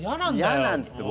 嫌なんですよ